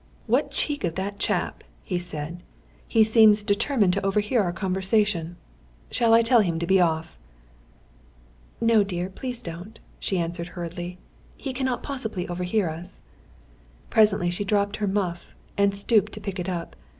"What cheek of that chap," he said. "He seems determined to overhear our conversation. Shall I tell him to be off?" "No, dear; please don't," she answered hurriedly. "He cannot possibly overhear us." Presently she dropped her muff and stooped to pick it up.